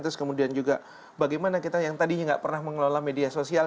terus kemudian juga bagaimana kita yang tadinya nggak pernah mengelola media sosial